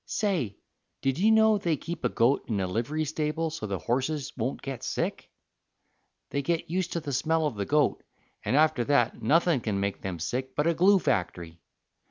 Say, did you know they keep a goat in a livery stable so the horses won't get sick? They get used to the smell of the goat, and after that nothing can make them sick but a glue factory.